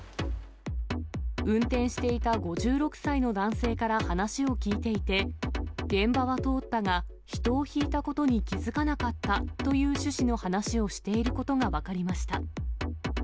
運転していた５６歳の男性から話を聴いていて、現場は通ったが、人をひいたことに気付かなかったという趣旨の話をしていることが分かりました。